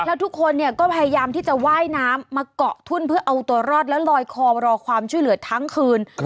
แล้วทุกคนเนี่ยก็พยายามที่จะว่ายน้ำมาเกาะทุ่นเพื่อเอาตัวรอดแล้วลอยคอรอความช่วยเหลือทั้งคืน